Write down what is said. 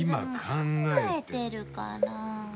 考えてるから。